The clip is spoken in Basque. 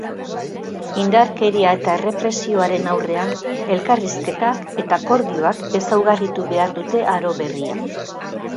Indarkeria eta errepresioaren aurrean elkarrizketak eta akordioak ezaugarritu behar dute aro berria.